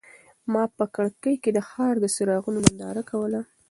ما په کړکۍ کې د ښار د څراغونو ننداره کوله.